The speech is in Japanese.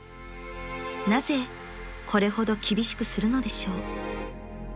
［なぜこれほど厳しくするのでしょう？］